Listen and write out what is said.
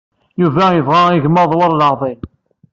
Yuba yebɣa igmaḍ war leɛḍil.